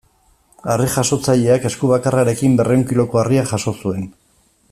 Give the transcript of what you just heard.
Harri-jasotzaileak, esku bakarrarekin berrehun kiloko harria jaso zuen.